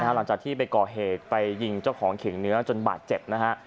หลังจากที่ไปก่อเหตุไปยิงเจ้าของเข็งเนื้อจนบาดเจ็บนะฮะ